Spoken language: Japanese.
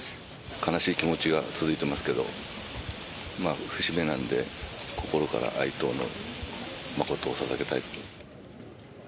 悲しい気持ちが続いてますけど、節目なんで、心から哀悼の誠をささげたい。